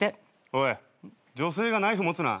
おい女性がナイフ持つな。